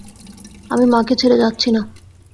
আমি মাকে ছেড়ে যাচ্ছি না।